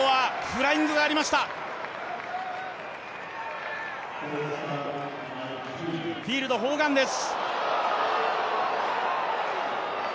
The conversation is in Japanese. フィールド、砲丸です。